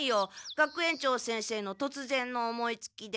学園長先生のとつぜんの思いつきで。